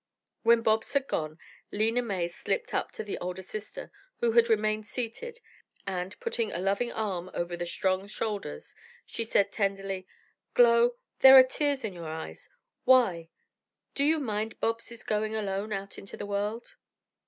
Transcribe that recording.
When Bobs was gone, Lena May slipped up to the older sister, who had remained seated, and, putting a loving arm over the strong shoulders, she said tenderly: "Glow, there are tears in your eyes. Why? Do you mind Bobs' going alone out into the world?"